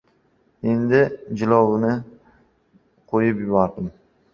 Endi jilovni qo‘yib yubordim.